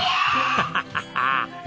ハハハハッ！